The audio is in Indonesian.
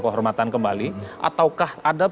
kehormatan kembali ataukah ada